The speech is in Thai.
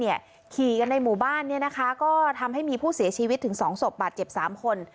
ขี่กันในหมู่บ้านก็ทำให้มีผู้เสียชีวิตถึง๒ศพบาดเจ็บ๓คน